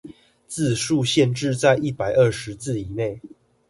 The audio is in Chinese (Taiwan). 字數限制在一百二十字以內